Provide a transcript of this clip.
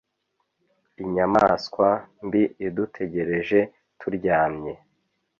inyamaswa mbi idutegereje turyamye